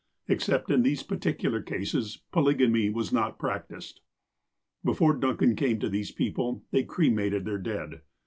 Except in these particular cases, polygamy was not practiced. Before Duncan came to these people, they cremated their dead.